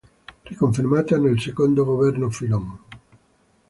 Riconfermata nel secondo governo Fillon.